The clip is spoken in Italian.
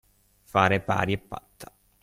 Fare pari e patta.